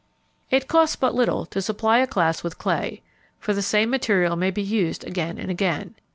It costs but little to supply a class with clay, for the same material may be used again and again.